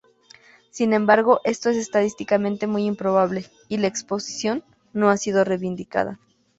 Sin embargo, esto es estadísticamente muy improbable, y la exposición, no ha sido reivindicada.